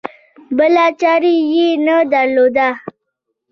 بله چاره یې نه درلوده.